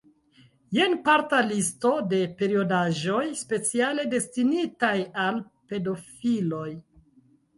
Jen parta listo de periodaĵoj speciale destinitaj al pedofiloj.